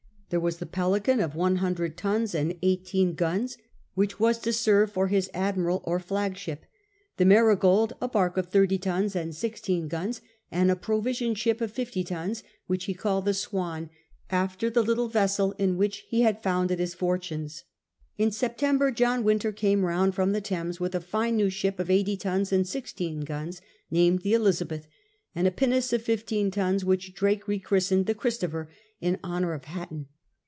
There was the Pelican, of one himdred tons and eighteen guns, which was to serve 6o Sm FRANCIS DRAKE chap. him for his '^ admiral" or flagship ; the Marygdd^ a barque of thirty tons and sixteen guns ; and a provision ship of fifty tons, which he called the Swan, after the little vessel in which he had founded his fortunes. In Sep tember John Wynter came round from the Thames with a fine new ship of eighty tons and sixteen guns, named the Elizabeth^ and a pinnace of fifteen tons, which Drake re christened the Christopher, in honour of Hatton.